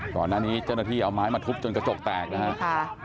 ก่อนหน้านี้เจ้าหน้าที่เอาม้ายมาทุบจนกระจกแตก